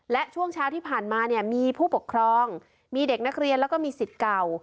และช่วงเช้าที่ผ่านมาเนี่ยมีผู้ปกครองมีเด็กนักเรียนแล้วก็มีสิทธิ์เก่า